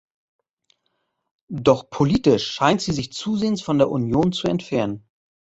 Doch politisch scheint sie sich zusehends von der Union zu entfernen.